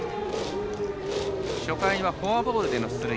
初回はフォアボールでの出塁。